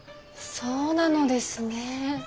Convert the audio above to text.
そうなのですね。